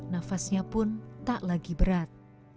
nafasnya pun tak lagi berat